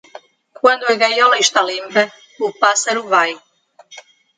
Quando a gaiola está limpa, o pássaro vai.